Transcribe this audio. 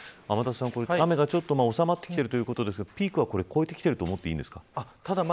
雨がちょっと収まってきているということですが、ピークは越えてきていると思っていいんですか。